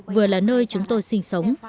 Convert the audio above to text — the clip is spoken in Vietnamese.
vừa là nơi chúng tôi sinh sống